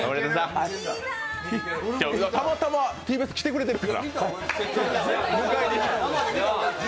たまたまＴＢＳ来てくれてるから。